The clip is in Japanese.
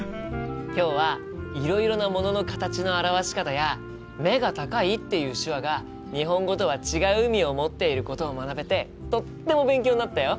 今日はいろいろなものの形の表し方や「目が高い」っていう手話が日本語とは違う意味を持っていることを学べてとっても勉強になったよ！